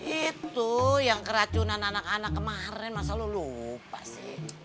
itu yang keracunan anak anak kemarin masa lu lupa sih